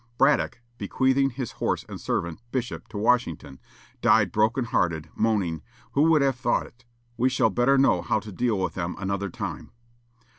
Braddock, bequeathing his horse and servant, Bishop, to Washington, died broken hearted, moaning, "Who would have thought it!... We shall better know how to deal with them another time."